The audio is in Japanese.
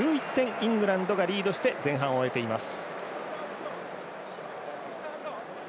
イングランドがリードして前半、終えています。